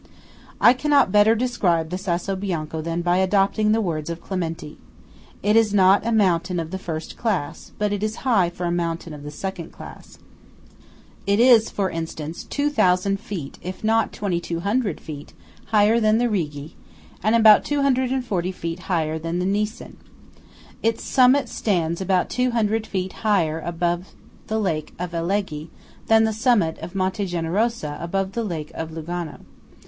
I cannot better describe the Sasso Bianco than by adopting the words of Clementi. It is not a mountain of the first class; but it is high for a mountain of the second class. It is, for instance, 2000 feet, if not 2200 feet, higher than the Rigi; and about 240 feet higher than the Niesen. Its summit stands about 200 feet higher above the lake of Alleghe than the summit of Monte Generosa above the lake of Lugano.